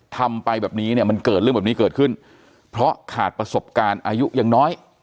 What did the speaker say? ทำไปแบบนี้เนี่ยมันเกิดเรื่องแบบนี้เกิดขึ้นเพราะขาดประสบการณ์อายุยังน้อย